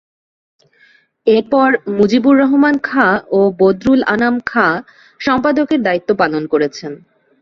এরপর মুজিবুর রহমান খাঁ ও বদরুল আনাম খাঁ সম্পাদকের দায়িত্ব পালন করেছেন।